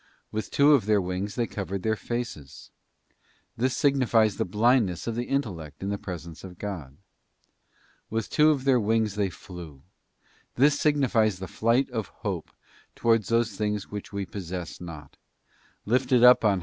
With two of their wings they covered their faces; this signifies the blindness of the intellect in the presence of God. With two of their wings they flew; this signifies the flight of hope towards those things which we possess not; lifted up on high * Rom.